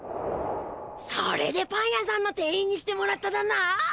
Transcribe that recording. それでパン屋さんの店員にしてもらっただな。